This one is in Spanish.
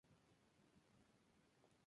Él fue parte de grupos pop en St.